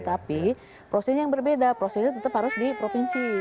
tapi prosesnya yang berbeda prosesnya tetap harus di provinsi